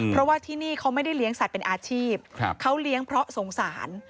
เพราะว่าที่นี่เขาไม่ได้เลี้ยงสัตว์เป็นอาชีพเขาเลี้ยงเพราะสงสาร